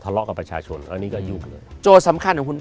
กับประชาชนอันนี้ก็ยุ่งเลยโจทย์สำคัญของคุณ